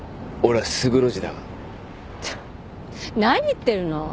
ちょっ何言ってるの？